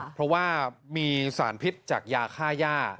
เพราะว่ามีสารพิษจากยาค่าย่า